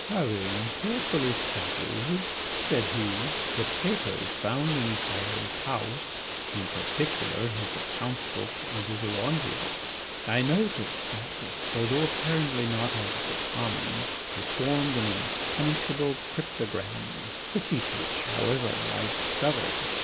"Having carefully studied," said he, "the papers found in Pyrot's house, in particular his account book and his laundry books, I noticed that, though apparently not out of the common, they formed an impenetrable cryptogram, the key to which, however, I discovered.